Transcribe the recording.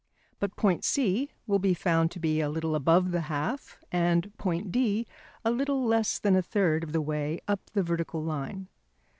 But point C will be found to be a little above the half, and point D a little less than a third of the way up the vertical line.